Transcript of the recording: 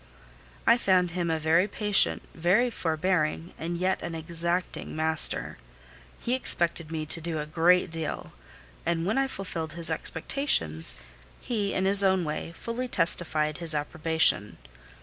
I found him a very patient, very forbearing, and yet an exacting master: he expected me to do a great deal; and when I fulfilled his expectations, he, in his own way, fully testified his approbation.